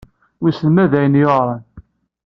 Wissen ma d ayen yuɛren.